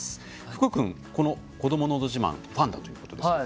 福君、「こどものど自慢」ファンだということですが。